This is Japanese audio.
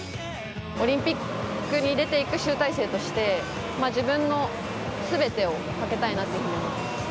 オリンピックに出ていく集大成として自分のすべてをかけたいなと思います。